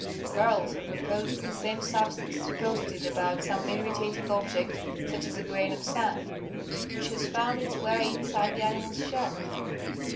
Pearls are composed of the same substance deposited about some irritating object, such as a grain of sand, which has found its way inside the animal's shell.